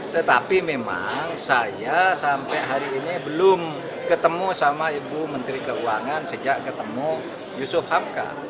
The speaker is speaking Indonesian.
tetapi memang saya sampai hari ini belum ketemu sama ibu menteri keuangan sejak ketemu yusuf hamka